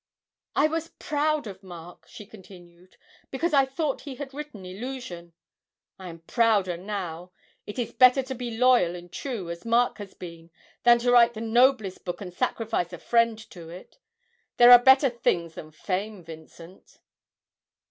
'I was proud of Mark,' she continued, 'because I thought he had written "Illusion." I am prouder now it is better to be loyal and true, as Mark has been, than to write the noblest book and sacrifice a friend to it. There are better things than fame, Vincent!'